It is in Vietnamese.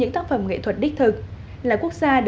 thậm chí của sắp đặt